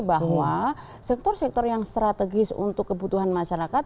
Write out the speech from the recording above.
bahwa sektor sektor yang strategis untuk kebutuhan masyarakat